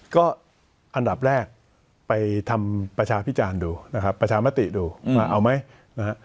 ก็อันดับแรกไปทำประชาพิจารณ์ดูนะครับประชามติดูว่าเอาไหมนะฮะ